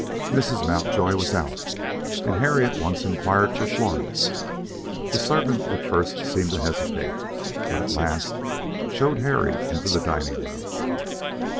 Mrs. Mountjoy was out, and Harry at once inquired for Florence. The servant at first seemed to hesitate, but at last showed Harry into the dining room.